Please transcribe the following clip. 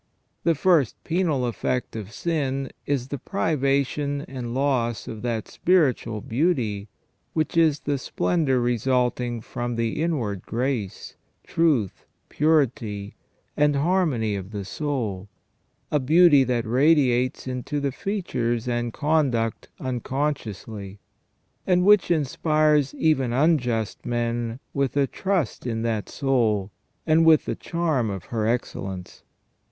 The first penal effect of sin is the privation and loss of that spiritual beauty which is the splendour resulting from the inward grace, truth, purity, and harmony of the soul, a beauty that radiates into the features and conduct unconsciously, and which inspires even unjust men with a trust in that soul, and with the charm of her excellence.